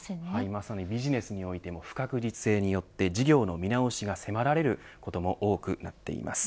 まさにビジネスにおいても不確実性によって事業の見直しが迫られることも多くなっています。